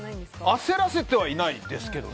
焦らせてはいないですけど。